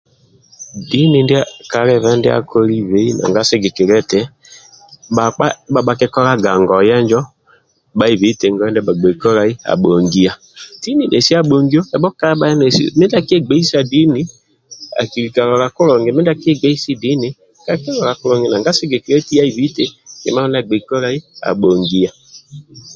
Dini ndia kalibe ndia akolibe nanga sigikilia eti bhakpa ndibha bhakikolaga ngoye injo bhaibi eti ngoye ndia bhagbei kolai abhongia tini nesi ebho kabhali mindi akiegbeisa dini akilola kulungi mindikegbeisa dini kakilola kulungi nanga sigikilia eti aibi eti kima ndia agbei kolai abhongia